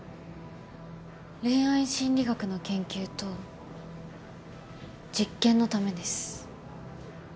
恋愛心理学の研究と実験のためです。